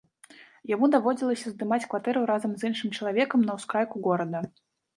Яму даводзілася здымаць кватэру разам з іншым чалавекам на ўскрайку горада.